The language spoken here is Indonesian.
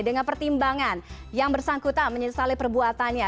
dengan pertimbangan yang bersangkutan menyesali perbuatannya